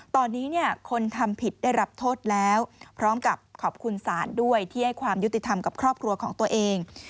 ตอนนี้เนี่ยคนทำผิดได้รับโทษแล้วพร้อมกับขอบคุณศาลด้วยที่ให้ความยุติธรรมกับครอบครัวของตัวเอง